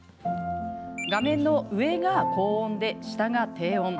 画面の上が高音で、下が低音。